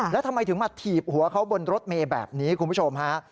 แล้วทำไมถึงมาถีบหัวเขาบนรถเมย์แบบนี้คุณผู้ชมฮะ